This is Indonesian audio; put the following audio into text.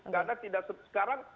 karena tidak sekarang